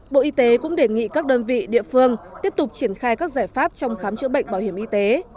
bộ y tế cũng đề nghị các đơn vị địa phương tiếp tục triển khai các giải pháp trong khám chữa bệnh bảo hiểm y tế